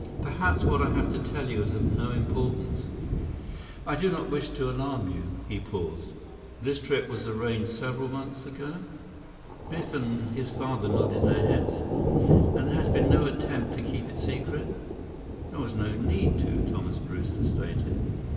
"Perhaps what I have to tell you is of no importance. I do not wish to alarm you." He paused. "This trip was arranged several months ago?" Biff and his father nodded their heads. "And there has been no attempt to keep it secret?" "There was no need to," Thomas Brewster stated.